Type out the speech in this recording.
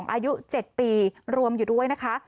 อายุ๗ปีรวมอยู่ด้วยนะคะ